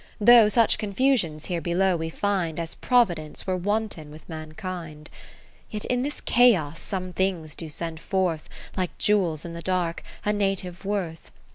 Though such confusions here below we find, As Providence were wanton with mankind : Yet in this chaos some things do send forth, (Like jewels in the dark) a native worth.